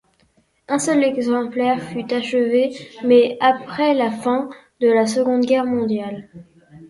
Un seul exemplaire fut achevé, mais après la fin de la Seconde Guerre mondiale.